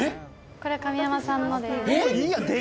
これ神山さんのですええ？